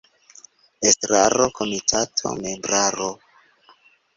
Estraro – Komitato – Membraro.